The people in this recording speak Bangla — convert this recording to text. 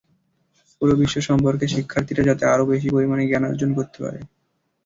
পুরো বিশ্ব সম্পর্কে শিক্ষার্থীরা যাতে আরও বেশি পরিমাণে জ্ঞানার্জন করতে পারে।